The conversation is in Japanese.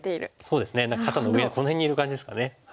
そうですね何か肩の上この辺にいる感じですかね。